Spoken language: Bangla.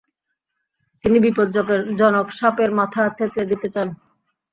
তিনি বিপজ্জনক সাপের মাথা থেতলে দিতে চান।